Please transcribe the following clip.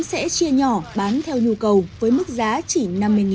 xin chào và hẹn gặp lại